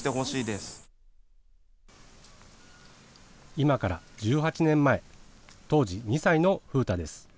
今から１８年前、当時２歳の風太です。